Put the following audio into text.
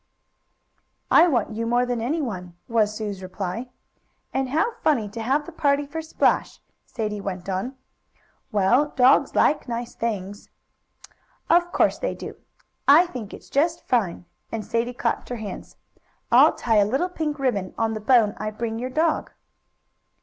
"I want you more than anyone," was Sue's reply. "And how funny to have the party for Splash!" Sadie went on. "Well, dogs like nice things." "Of course they do. I think it's just fine!" and Sadie clapped her hands. "I'll tie a little pink ribbon on the bone I bring your dog."